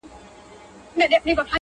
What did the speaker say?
خواري د مړو په شا ده.